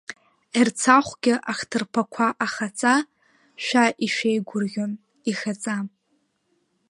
Ерцахәгьы ахҭырԥақәа ахаҵа, шәа ишәеигәырӷьон, ихаҵа!